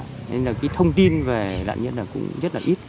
cho nên là cái thông tin về nạn nhân là cũng rất là ít